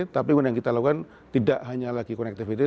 tapi yang kita lakukan tidak hanya lagi connectivity